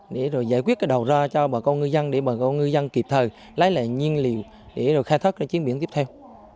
để rồi giải quyết cái đầu ra cho bà con ngư dân để bà con ngư dân kịp thời lái lại nhiên liều để rồi khai thất chiến biển tiếp theo